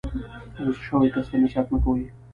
غسه شوي کس ته نصیحت مه کوئ.